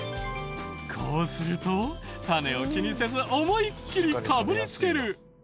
こうすると種を気にせず思いっきりかぶりつける。